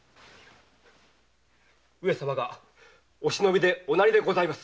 上様がお忍びで御成でございます。